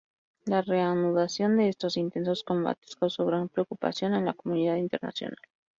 La reanudación de estos intensos combates causó gran preocupación en la comunidad internacional.